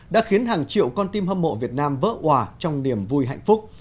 đã khiến hàng triệu con tim hâm mộ việt nam vỡ hòa trong niềm vui hạnh phúc